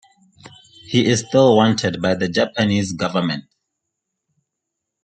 He is still wanted by the Japanese government.